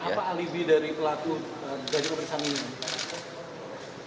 apa alibi dari pelaku terduga pemersahan ini